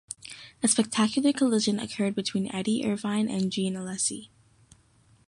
A spectacular collision occurred between Eddie Irvine and Jean Alesi.